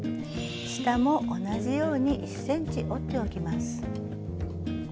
下も同じように１ｃｍ折っておきます。